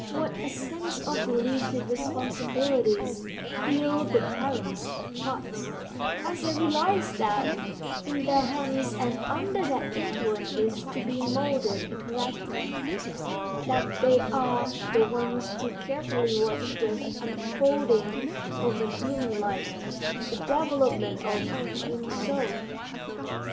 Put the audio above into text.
What a sense of delicious responsibility fills the parents' hearts as they realize that in their hands and under their influence is to be molded a character, that they are the ones to carefully watch the unfolding of a human life, the development of a human soul.